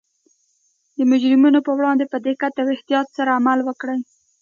د مجرمینو پر وړاندې په دقت او احتیاط سره عمل وکړي